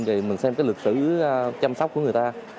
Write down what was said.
rồi mình xem cái lực sử chăm sóc của người ta